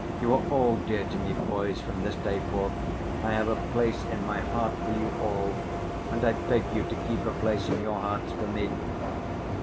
You are all dear to me, boys, from this day forth, I have a place in my heart for you all, and I beg you to keep a place in your hearts for me!